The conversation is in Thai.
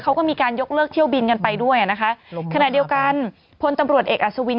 เขาก็มีการยกเลิกเที่ยวบินกันไปด้วยอ่ะนะคะขณะเดียวกันพลตำรวจเอกอัศวิน